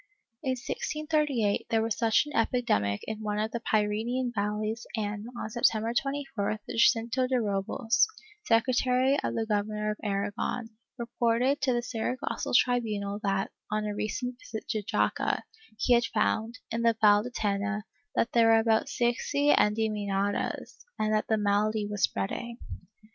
In 1638 there was such an epidemic in one of the Pyrenean valleys and, on Septeml^er 24th, Jacinto de Robles, secretary of the Gover nor of Aragon, reported to the Saragossa tribunal that, on a recent visit to Jaca, he had found, in the Valle de Tena, that there were about sixty endemoniadas and that the malady was spreading.